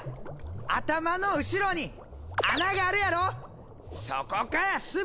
頭の後ろに穴があるやろ！